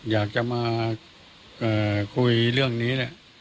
อยากจะมาคุยเรื่องนี้แหละ